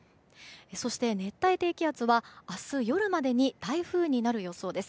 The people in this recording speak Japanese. そして、熱帯低気圧は明日夜までに台風になる予想です。